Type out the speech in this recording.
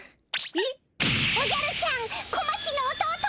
えっ？